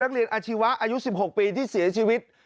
นักเรียนอาชีวะอายุ๑๖ปีที่เสียชีวิต